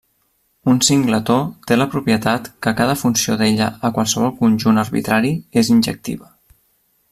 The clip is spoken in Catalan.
Un singletó té la propietat que cada funció d'ella a qualsevol conjunt arbitrari és injectiva.